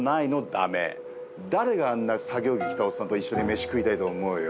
誰があんな作業着着たおっさんと一緒に飯食いたいと思うよ？